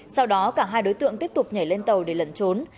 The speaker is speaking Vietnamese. sau đó cả hai đối tượng tiếp tục nhảy lên tàu để lẩn trốn